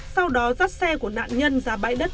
sau đó dắt xe của nạn nhân ra bãi đất